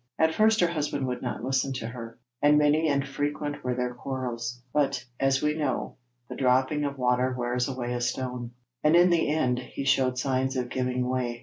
At first her husband would not listen to her, and many and frequent were their quarrels; but, as we know, 'the dropping of water wears away a stone,' and in the end he showed signs of giving way.